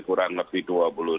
kurang lebih dua puluh